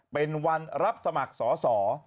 เป็นวันรับสมัครสอสอ